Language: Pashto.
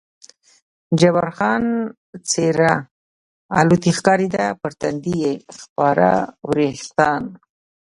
جبار خان څېره الوتی ښکارېده، پر تندي یې خپاره وریښتان.